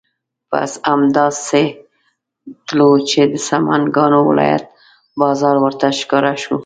بس همدا سې تلو چې د سمنګانو ولایت بازار ورته ښکاره شو.